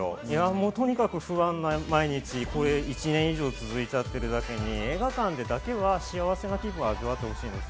とにかく不安な毎日が１年以上続いちゃってるだけに、映画館でだけは幸せな気分を味わってほしいです。